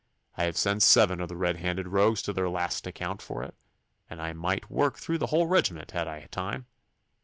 I have sent seven of the red handed rogues to their last account for it, and might work through the whole regiment had I time.